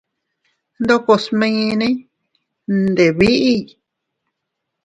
Ndoko smine ndeʼey biʼi.